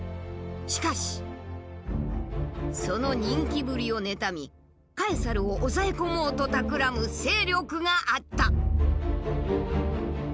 しかしその人気ぶりを妬みカエサルを押さえ込もうとたくらむ勢力があった。